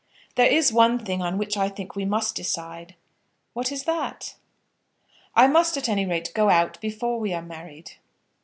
"There is one thing on which I think we must decide." "What is that?" "I must at any rate go out before we are married."